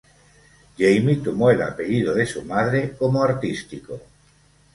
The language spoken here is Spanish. Jamie tomó el apellido de su madre como artístico.